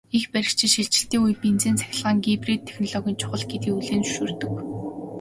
Эрх баригчид шилжилтийн үед бензин-цахилгаан гибрид технологи чухал гэдгийг хүлээн зөвшөөрдөг.